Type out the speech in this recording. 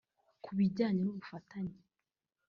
Ku bijyanye n’ubufatanye